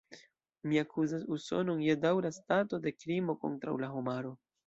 Mi akuzas Usonon je daŭra stato de krimo kontraŭ la homaro.